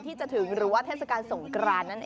ที่จะถึงหรือว่าเทศกาลสงกรานนั่นเอง